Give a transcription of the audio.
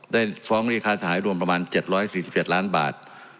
ได้ฟ้องริคาสหายรวมประมาณ๗๔๑ล้านบาท